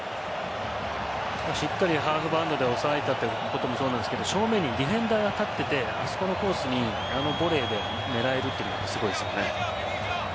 しっかりハーフバウンドで抑えたこともそうですが正面にディフェンダーが立っていてあそこのコースにあのボレーで狙えるというのがすごいですよね。